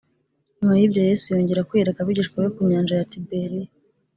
Nyuma y ibyo Yesu yongera kwiyereka abigishwa be ku nyanja ya Tiberiya